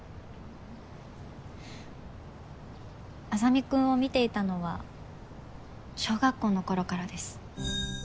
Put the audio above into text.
莇君を見ていたのは小学校の頃からです。